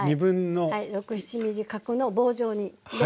６７ｍｍ角の棒状にね。